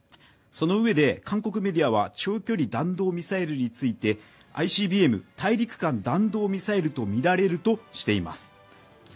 そのうえで、韓国メディアは長距離弾道ミサイルについてＩＣＢＭ＝大陸間弾道ミサイルとみられるとしています。